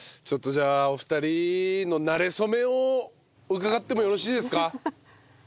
ちょっとじゃあお二人のなれ初めを伺ってもよろしいですか？